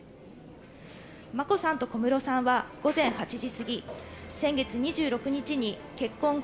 眞子さんと小室さんは午前８時過ぎ、先月２６日に結婚後、